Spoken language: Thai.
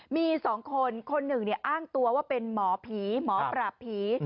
มี๒คนคนหนึ่งอ้างตัวว่าเป็นหมอผีหมอปราบผี